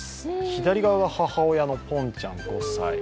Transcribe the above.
左側が母親のポンちゃん５歳。